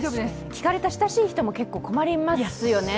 聞かれた親しい人も結構困りますよね。